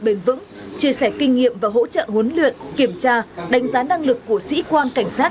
bền vững chia sẻ kinh nghiệm và hỗ trợ huấn luyện kiểm tra đánh giá năng lực của sĩ quan cảnh sát